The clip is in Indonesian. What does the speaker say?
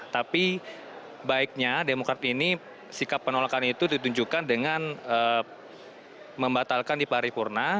tapi baiknya demokrat ini sikap penolakan itu ditunjukkan dengan membatalkan di paripurna